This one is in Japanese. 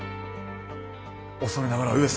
恐れながら上様。